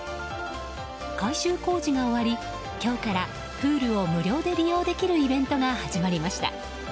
改修工事が終わり、今日からプールが無料で利用できるイベントが始まりました。